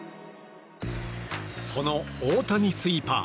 その大谷スイーパー